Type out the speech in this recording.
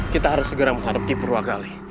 kita harus segera menghadapi purwakali